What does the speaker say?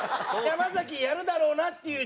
山崎やるだろうなっていう